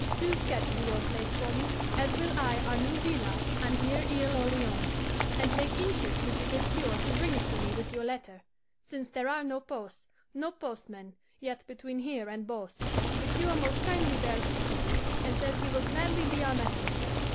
Do sketch the old place for me (as will I our new villa on dear Isle Orleans), and make interest with the good cure to bring it to me with your letter, since there are no posts, no postmen, yet between here and Beauce. The cure most kindly bears this to you, and says he will gladly be our messenger.